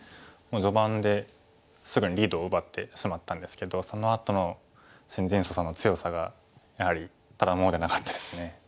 序盤ですぐにリードを奪ってしまったんですけどそのあとのシン・ジンソさんの強さがやはりただ者ではなかったですね。